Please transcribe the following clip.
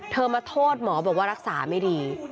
มาโทษหมอบอกว่ารักษาไม่ดี